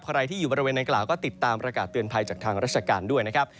ใครที่อยู่บริเวณนางกล่าวก็ติดตามประกาศเตือนภัยจากทางราชการด้วยนะครับ